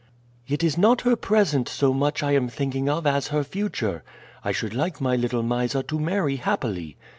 "It is not her present so much I am thinking of as her future. I should like my little Mysa to marry happily.